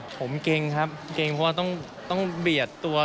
ผมเกรงครับเก่งเพราะว่าต้องเบียดตัว